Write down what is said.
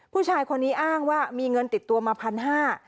ผู้ชายคนนี้อ้างว่ามีเงินติดตัวมาพันห้า